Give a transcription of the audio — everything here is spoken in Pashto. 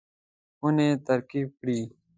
خونې ترتیب کړئ